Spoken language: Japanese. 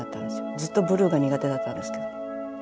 ずっとブルーが苦手だったんですけど。